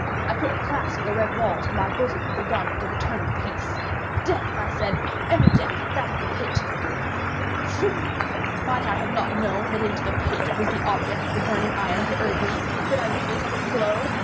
I could have clasped the red walls to my bosom as a garment of eternal peace. "Death," I said, "any death but that of the pit!" Fool! might I have not known that into the pit it was the object of the burning iron to urge me? Could I resist its glow?